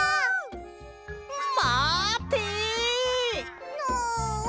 まて！のわ！